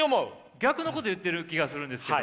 逆のこと言ってる気がするんですけど。